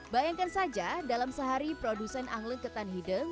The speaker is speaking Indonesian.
bayangkan saja dalam sehari produsen angleng ketan hideng